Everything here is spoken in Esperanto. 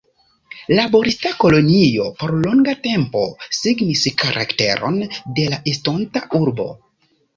Laborista kolonio por longa tempo signis karakteron de la estonta urbo.